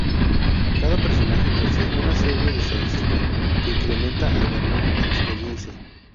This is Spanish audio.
Cada personaje posee una serie de estadísticas que incrementan al ganar experience.